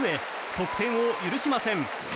得点を許しません。